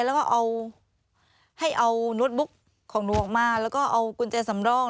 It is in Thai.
แล้วก็เอาให้เอาโน้ตบุ๊กของหนูออกมาแล้วก็เอากุญแจสำรอง